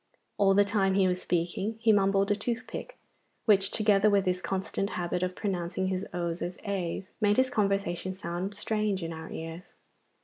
All the time he was speaking he mumbled a toothpick, which together with his constant habit of pronouncing his o's as a's made his conversation sound strange to our ears.